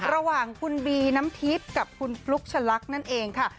ระหว่างคุณบีน้ำทิพย์กับคุณฟลุ๊กชะลักนั่นเองค่ะ